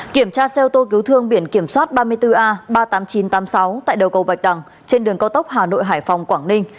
kiểm tra xe ô tô cứu thương biển kiểm soát ba mươi bốn a ba mươi tám nghìn chín trăm tám mươi sáu tại đầu cầu bạch đằng trên đường cao tốc hà nội hải phòng quảng ninh